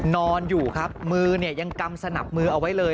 นอนอยู่ครับมือเนี่ยยังกำสนับมือเอาไว้เลย